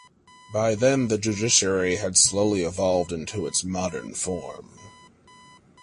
By then, the judiciary had slowly evolved into its modern form.